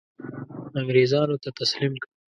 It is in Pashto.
انګرېزانو ته تسلیم کړ.